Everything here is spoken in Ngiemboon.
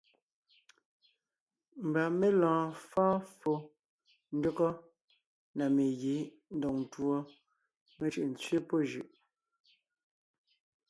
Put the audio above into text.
Mbà mé lɔɔn fɔ́ɔn ffó ndÿɔgɔ́ na megǐ ńdɔg ńtuɔ, mé cʉ́ʼ ńtsẅé pɔ́ jʉʼ.